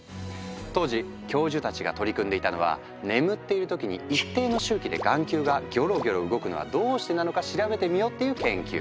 当時教授たちが取り組んでいたのは「眠っているときに一定の周期で眼球がギョロギョロ動くのはどうしてなのか調べてみよう」っていう研究。